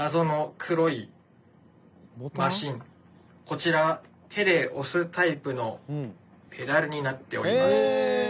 こちら手で押すタイプのペダルになっております。